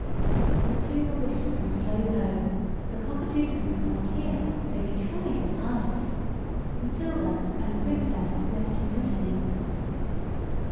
The two were whispering so low that the Cockatoucan could not hear, though he tried his hardest. Matilda and the Princess left him listening.